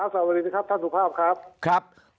สวัสดีนะครับท่านสุภาพครับ